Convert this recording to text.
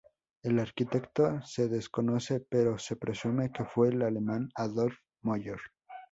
El arquitecto se desconoce, pero se presume que fue el alemán Adolf Möller.